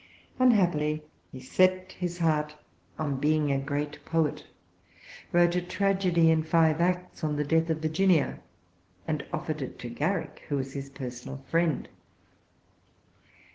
Unhappily he set his heart on being a great poet, wrote a tragedy in five acts on the death of Virginia, and offered it to Garrick, who was his personal friend.